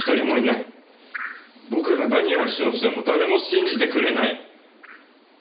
僕が何を主張しても誰も信じてくれない。